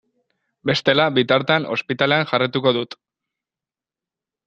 Bestela, bitartean, ospitalean jarraituko dut.